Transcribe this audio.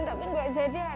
tapi enggak jadi kan